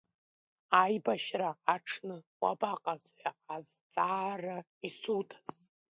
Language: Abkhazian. Аибашьра аҽны уабаҟаз ҳәа азҵаара исуҭаз…